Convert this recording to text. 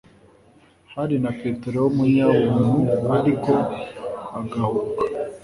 hari na Petero w'umunyabuntu ariko agahubuka,